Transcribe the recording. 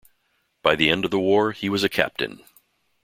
By the end of the war he was a captain.